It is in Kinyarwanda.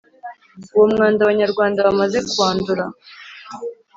uwo mwanda abanyarwanda bamaze kuwandura